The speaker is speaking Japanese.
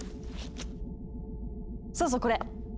そうそうこれ。